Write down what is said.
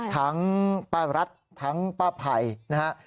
ทั้งป้ารัฐทั้งป้าไผ่นะฮะ